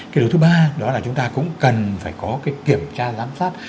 cái điều thứ ba đó là chúng ta cũng cần phải có cái kiểm tra giám sát